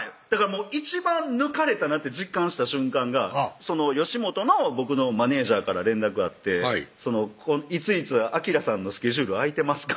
一番抜かれたなって実感した瞬間がその吉本の僕のマネージャーから連絡あって「いついつあきらさんのスケジュール空いてますか？」